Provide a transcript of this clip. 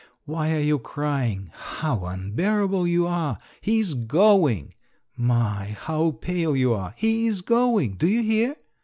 Why are you crying? How unbearable you are! He is going! My, how pale you are! He is going! Do you hear?"